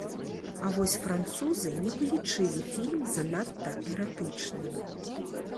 А вось французы не палічылі фільм занадта эратычным.